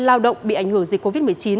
lao động bị ảnh hưởng dịch covid một mươi chín